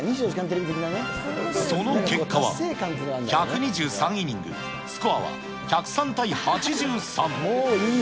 その結果は、１２３イニング、スコアは１０３対８３。